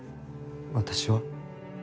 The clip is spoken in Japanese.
「私は」？